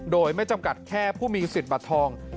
โดยไม่จำกัดแค่ผู้มีสิทธิ์บัตรทอง